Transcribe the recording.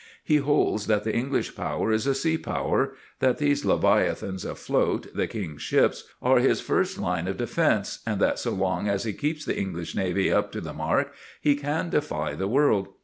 He holds that the English power is a sea power; that these leviathans afloat, the King's ships, are his first line of defence; and that so long as he keeps the English navy up to the mark he can defy the world.